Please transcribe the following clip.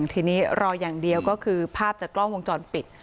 ทีนี้รออย่างเดียวก็คือภาพจากกล้องวงจรปิด